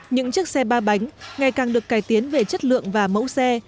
những chiếc xe ba bánh ngày càng được cải tiến về chất lượng và mẫu xe